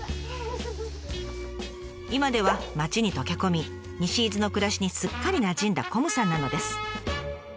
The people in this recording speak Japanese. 今では町に溶け込み西伊豆の暮らしにすっかりなじんだこむさんなのです。